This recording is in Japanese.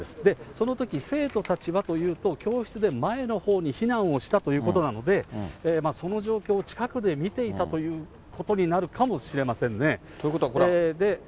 そのとき、生徒たちはというと、教室で前のほうに避難をしたということなので、その状況を近くで見ていたということになるかもしれませんね。ということは。